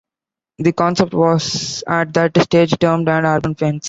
The concept was at that stage termed an Urban Fence.